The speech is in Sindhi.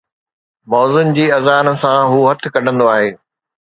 مؤذن جي اذان سان، هو هٿ ڪڍندو آهي